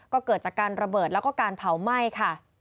ก็เกิดจากการระเบิดแล้วก็การเผาไหม้ค่ะ